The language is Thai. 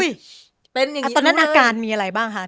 อ้าวตอนนั้นอาการมีอะไรบ้าง